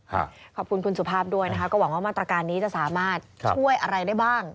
ขอบคุณคุณสุภาพด้วยนะคะก็หวังว่ามาตรการนี้จะสามารถช่วยอะไรได้บ้าง